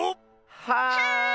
はい！